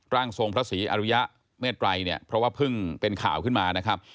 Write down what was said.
ร่างทรงพระศรีอรุยะเมตรัยเนี่ยเพราะว่าเพิ่งเป็นข่าวขึ้นมานะครับ